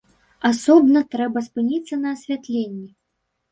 Асобна трэба спыніцца на асвятленні.